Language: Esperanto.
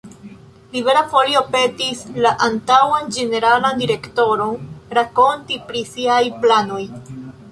Libera Folio petis la antaŭan ĝeneralan direktoron rakonti pri siaj planoj.